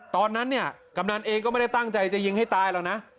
ตอนนั้นเนี่ยกำนันเองก็ไม่ได้ตั้งใจจะยิงให้ตายหรอกนะ